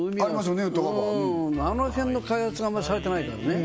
あの辺の開発があんまりされてないからね